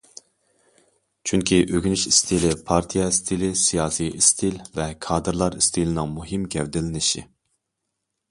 چۈنكى ئۆگىنىش ئىستىلى پارتىيە ئىستىلى، سىياسىي ئىستىل ۋە كادىرلار ئىستىلىنىڭ مۇھىم گەۋدىلىنىشى.